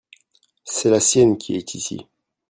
c'est la sienne qui est ici.